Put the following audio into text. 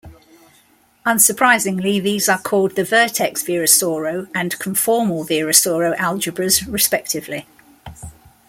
Unsurprisingly these are called the vertex Virasoro and conformal Virasoro algebras respectively.